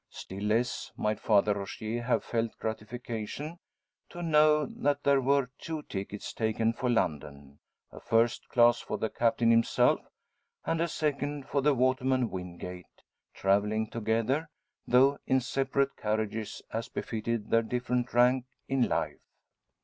Still less might Father Rogier have felt gratification to know, that there were two tickets taken for London; a first class for the Captain himself, and a second for the waterman Wingate travelling together, though in separate carriages, as befitted their different rank in life.